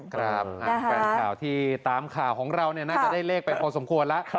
แฟนข่าวที่ตามข่าวของเราน่าจะได้เลขไปพอสมควรแล้ว